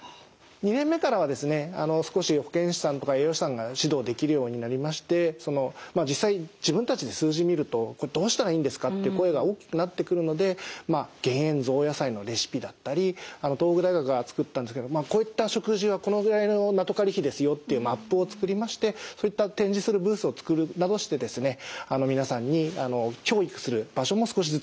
２年目からはですね少し保健師さんとか栄養士さんが指導できるようになりまして実際自分たちで数字見るとどうしたらいいんですかって声が大きくなってくるので減塩・増野菜のレシピだったり東北大学が作ったんですけどこういった食事はこのぐらいのナトカリ比ですよっていうマップを作りましてそういった展示するブースを作るなどしてですね皆さんに教育する場所も少しずつ作ることができるようになりました。